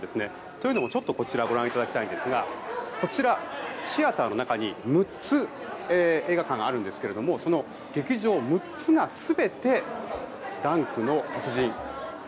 というのも、こちらをご覧いただきたいんですがシアターの中に６つ映画館があるんですがその劇場６つが全て「ダンクの達人」。